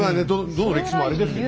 どの歴史もあれですけど。